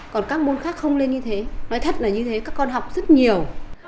còn các môn khác không lên như thế nói thật là như thế các con học rất nhiều